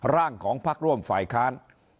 ร่างของภักร่วมภัยคาร